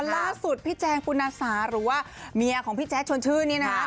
ล่าสุดพี่แจงปุณาหรือว่าเมียของพี่แจ๊ดชวนชื่นนี่นะคะ